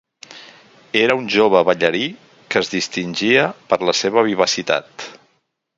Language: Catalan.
Era un jove ballarí que es distingia per la seva vivacitat.